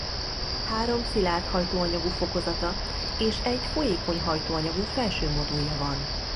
Három szilárd hajtóanyagú fokozata és egy folyékony hajtóanyagú felső modulja van.